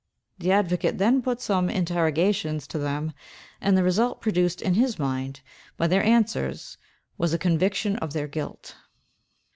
The advocate then put some interrogations to them, and the result produced in his mind by their answers was a conviction of their guilt.